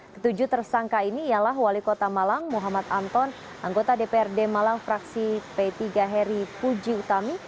ketujuh tersangka ini ialah wali kota malang muhammad anton anggota dprd malang fraksi p tiga heri puji utami